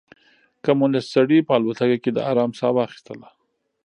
کمونيسټ سړي په الوتکه کې د ارام ساه واخيسته.